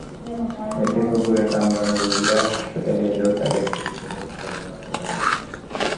এতে কুকুরে কামড়ানো রোগীরা হাসপাতালে এলেও তাদের প্রতিষেধক সরবরাহ করা যাচ্ছে না।